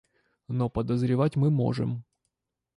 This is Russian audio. Но подозревать мы можем.